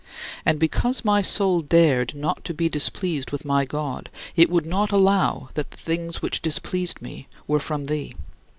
And, because my soul dared not be displeased with my God, it would not allow that the things which displeased me were from thee.